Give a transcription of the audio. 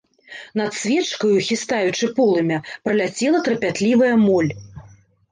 Над свечкаю, хістаючы полымя, праляцела трапятлівая моль.